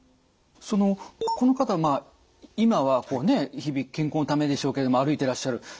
そのこの方は今は日々健康のためでしょうけども歩いてらっしゃる。